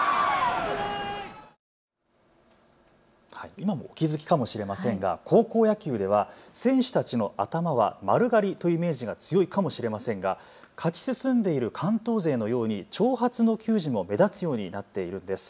今もお気付きかもしれませんが高校野球では選手たちの頭は丸刈りというイメージが強いかもしれませんが勝ち進んでいる関東勢のように長髪の球児も目立つようになっているんです。